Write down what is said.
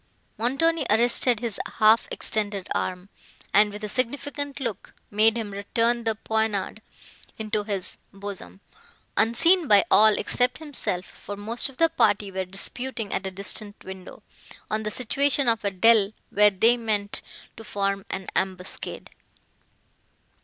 Montoni arrested his half extended arm, and, with a significant look, made him return the poniard into his bosom, unseen by all except himself; for most of the party were disputing at a distant window, on the situation of a dell where they meant to form an ambuscade.